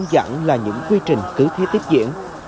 công việc cũng là những quy trình cứ thế tiếp diễn